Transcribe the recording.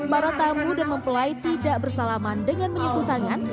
para tamu dan mempelai tidak bersalaman dengan menyentuh tangan